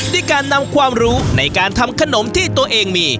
ด้วยการนำความรู้ในการทำขนมที่ตัวเองมี